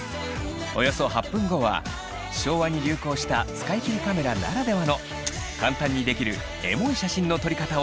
およそ８分後は昭和に流行した使い切りカメラならではの簡単にできるエモい写真の撮り方を紹介！